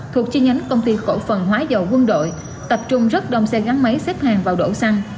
thuộc chi nhánh công ty cổ phần hóa dầu quân đội tập trung rất đông xe gắn máy xếp hàng vào đổ xăng